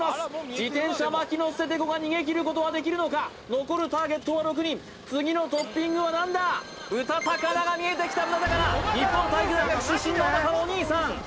自転車牧野ステテコが逃げ切ることはできるのか残るターゲットは６人次のトッピングは何だ豚たかなが見えてきた豚たかな日本体育大学出身のおばたのお兄さん